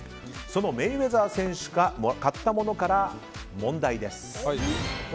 そのメイウェザー選手が買ったものから問題です。